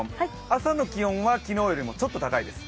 朝の気温は昨日よりちょっと高いです。